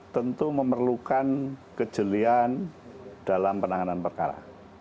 tentu memerlukan kejelian dalam penanganan perkara